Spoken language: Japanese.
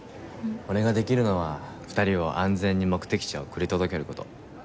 俺ができるのは２人を安全に目的地へ送り届ける事。